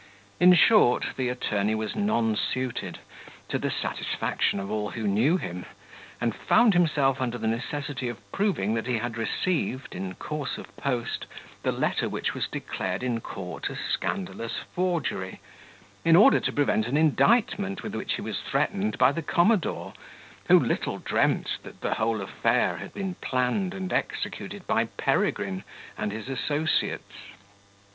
In short, the attorney was nonsuited, to the satisfaction of all who knew him, and found himself under the necessity of proving that he had received, in course of post, the letter which was declared in court a scandalous forgery, in order to prevent an indictment with which he was threatened by the commodore, who little dreamt that the whole affair had been planned and executed by Peregrine and his associates.